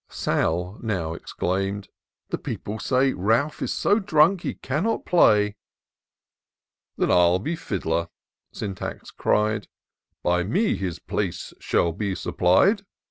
Sal now exclaim'd, " The people say, Ralph is so drunk he cannot play:" « Then Til be Fiddler," Syntax cried ;" By me his place shall be supplied